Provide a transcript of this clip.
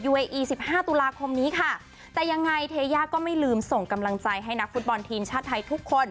เออีสิบห้าตุลาคมนี้ค่ะแต่ยังไงเทย่าก็ไม่ลืมส่งกำลังใจให้นักฟุตบอลทีมชาติไทยทุกคน